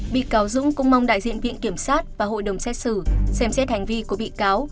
bị cáo dũng cũng mong đại diện viện kiểm sát và hội đồng xét xử xem xét hành vi của bị cáo